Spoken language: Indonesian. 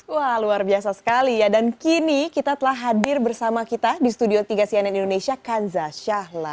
wah luar biasa sekali ya dan kini kita telah hadir bersama kita di studio tiga cnn indonesia kanza shahla